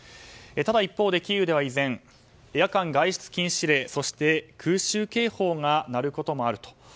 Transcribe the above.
ただ一方でキーウでは依然夜間外出禁止令そして空襲警報が鳴ることもあると。